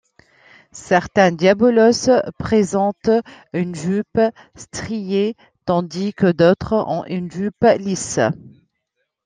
Certains diabolos présentent une jupe striée tandis que d'autres ont une jupe lisse.